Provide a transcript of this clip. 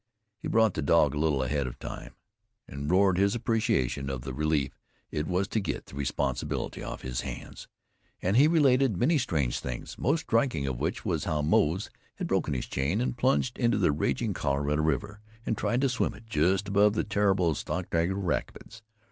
He brought the dog a little ahead time, and roared his appreciation of the relief it to get the responsibility off his hands. And he related many strange things, most striking of which was how Moze had broken his chain and plunged into the raging Colorado River, and tried to swim it just above the terrible Sockdolager Rapids.